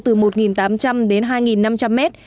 từ một tám trăm linh đến hai năm trăm linh mét